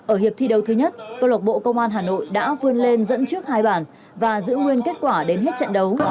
ở hiệp thi đấu thứ nhất câu lộc bộ công an hà nội đã vươn lên dẫn trước hai bản và giữ nguyên kết quả đến hết trận đấu